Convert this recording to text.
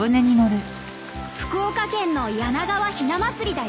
福岡県の柳川雛祭りだよ。